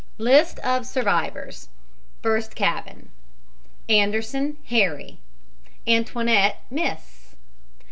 LIST OF SURVIVORS FIRST CABIN ANDERSON, HARRY. ANTOINETTE, MISS.